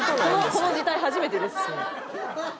この字体初めてです。